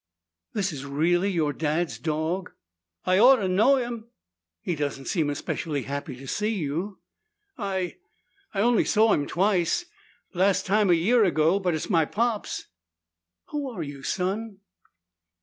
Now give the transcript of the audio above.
"This is really your dad's dog?" "I ought to know him." "He doesn't seem especially happy to see you." "I I only saw him twice. Last time a year ago. But it's my pop's!" "Who are you, son?"